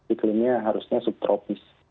iklimnya harusnya subtropis